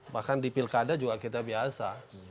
bahkan di pilkada juga kita biasa